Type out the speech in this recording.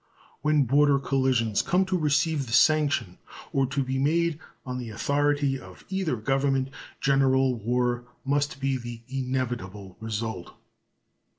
When border collisions come to receive the sanction or to be made on the authority of either Government general war must be the inevitable result.